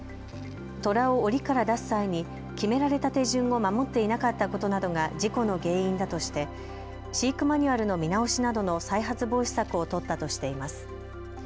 トラをおりから出す際に決められた手順を守っていなかったことなどが事故の原因だとして飼育マニュアルの見直しなどの再発防止策を取ったとしています。